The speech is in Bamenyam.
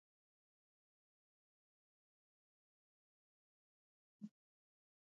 Á mǝkwɛʼnǝ po mǝtsɛʼnǝ fwo ghǝ̌ pwǎ yó.